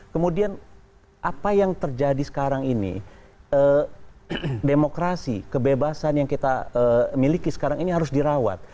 kemudian apa yang terjadi sekarang ini demokrasi kebebasan yang kita miliki sekarang ini harus dirawat